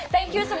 thank you semuanya